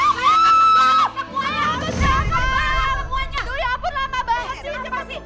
duh ya ampun lama banget